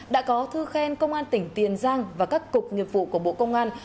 đã có thư khen công an tỉnh tiền giang và các cục nghiệp vụ của bộ công an